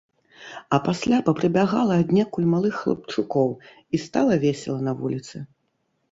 А пасля папрыбягала аднекуль малых хлапчукоў, і стала весела на вуліцы.